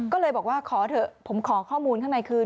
ก็เลยบอกว่าขอเถอะผมขอข้อมูลข้างในคืน